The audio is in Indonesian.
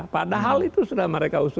padahal itu sudah mereka usahakan